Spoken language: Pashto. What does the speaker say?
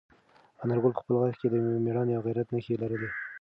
انارګل په خپل غږ کې د میړانې او غیرت نښې لرلې.